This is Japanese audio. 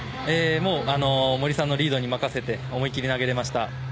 もう、森さんのリードに任せて思い切り投げられました。